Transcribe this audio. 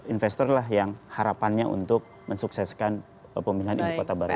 investor lah yang harapannya untuk mensukseskan pemindahan ibu kota baru ini